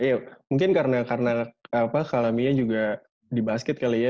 iya mungkin karena karena apa kalaminya juga di basket kali ya